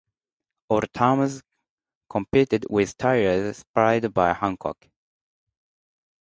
All teams competed with tyres supplied by Hankook.